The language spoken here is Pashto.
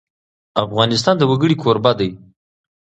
افغانستان د وګړي کوربه دی.